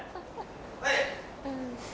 はい。